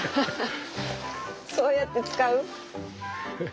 そうやって使う？